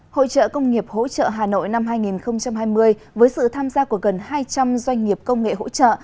hội trợ công nghiệp hỗ trợ hà nội năm hai nghìn hai mươi với sự tham gia của gần hai trăm linh doanh nghiệp công nghệ hỗ trợ